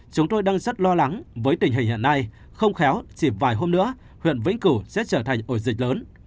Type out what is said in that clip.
chúng tôi đang rất lo lắng với tình hình hiện nay không khéo chỉ vài hôm nữa huyện vĩnh cửu sẽ trở thành ổ dịch lớn